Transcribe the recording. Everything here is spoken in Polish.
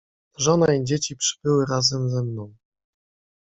"Żona i dzieci przybyły razem ze mną."